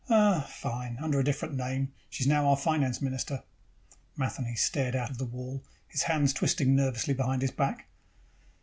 "Oh, fine. Under a different name, she's now our finance minister." Matheny stared out the wall, his hands twisting nervously behind his back.